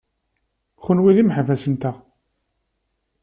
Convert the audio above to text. Kenwi d imeḥbas-nteɣ.